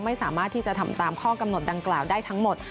ไม่สามารถที่จะทำตามข้อกำหนดดังกล่าวได้ทั้งหมด